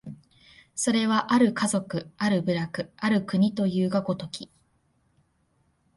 それは或る家族、或る部落、或る国というが如き、